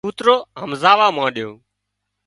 ڪوترو همزوا مانڏيو